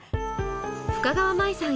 深川麻衣さん